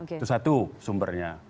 itu satu sumbernya